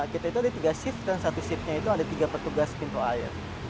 kita itu ada tiga shift dan satu shiftnya itu ada tiga petugas pintu air